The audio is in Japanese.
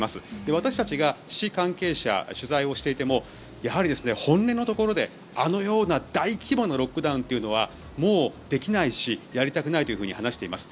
私たちが市関係者に取材をしていても本音のところであのような大規模なロックダウンというのはもうできないしやりたくないと話しています。